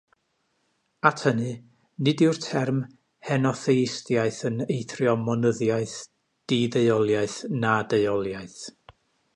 At hynny, nid yw'r term henotheistiaeth yn eithrio monyddiaeth, di-ddeuoliaeth na deuoliaeth.